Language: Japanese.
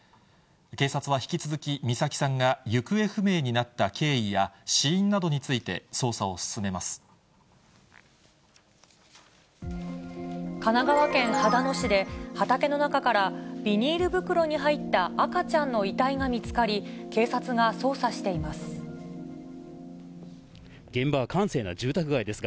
警察は引き続き、美咲さんが行方不明になった経緯や、死因などについて捜査を進め神奈川県秦野市で、畑の中からビニール袋に入った赤ちゃんの遺体が見つかり、警察が捜査しています。